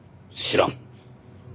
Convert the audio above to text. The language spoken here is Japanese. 知らん。